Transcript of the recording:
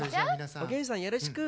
・おげんさんよろしく。